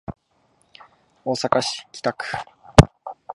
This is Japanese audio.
大阪市北区